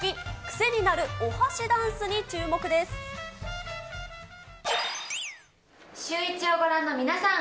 癖になるお箸ダンスシューイチをご覧の皆さん。